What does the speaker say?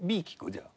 じゃあ。